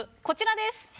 こちらです。